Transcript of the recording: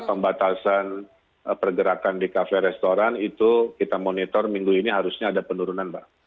pembatasan pergerakan di kafe restoran itu kita monitor minggu ini harusnya ada penurunan mbak